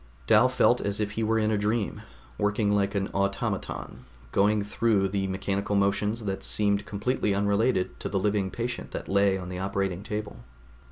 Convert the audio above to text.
Dal felt as if he were in a dream, working like an automaton, going through mechanical motions that seemed completely unrelated to the living patient that lay on the operating table.